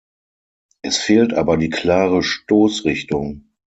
Es fehlt aber die klare Stoßrichtung.